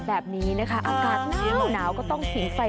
แบบนี้นะคะอากาศหนาวก็ต้องผิงไฟ